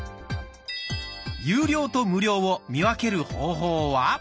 有料と無料を見分ける方法は。